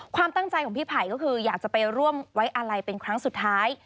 ความตั้งใจของพี่ไผ่ก็คืออยากจะไปร่วมไว้อาลัยเป็นครั้งสุดท้าย